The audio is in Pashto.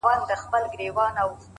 • په زندان کي له یوسف سره اسیر یم,